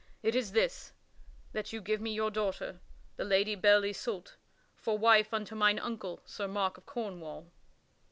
It is this: that you give me your daughter, the Lady Belle Isoult, for wife unto mine uncle, King Mark of Cornwall."